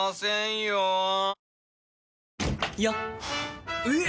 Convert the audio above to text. よっ！